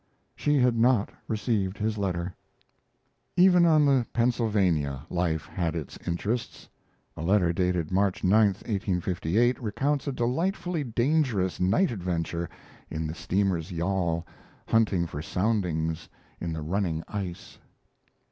She had not received his letter. Even on the Pennsylvania life had its interests. A letter dated March 9, 1858, recounts a delightfully dangerous night adventure in the steamer's yawl, hunting for soundings in the running ice.